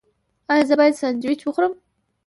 ایا زه باید سنډویچ وخورم؟